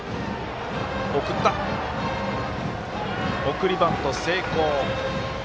送りバント成功。